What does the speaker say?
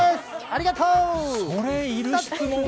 ありがとう！